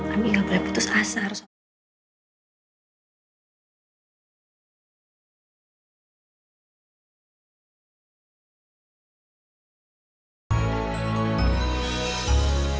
abi gak boleh putus asa harus